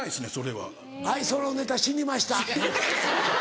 はいそのネタ死にました。